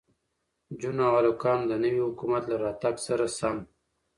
نجونو او هلکانو د نوي حکومت له راتگ سره سم